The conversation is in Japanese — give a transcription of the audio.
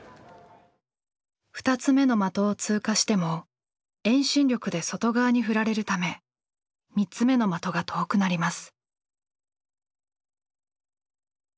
２つ目の的を通過しても遠心力で外側に振られるため３つ目の的が遠くなります。